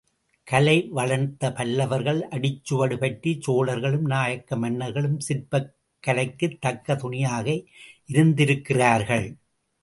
கலை வளர்த்த பல்லவர்கள் அடிச்சுவடு பற்றி சோழர்களும் நாயக்க மன்னர்களும் சிற்பக் கலைக்குத் தக்கத் துணையாக இருந்திருக்கிறார்கள்.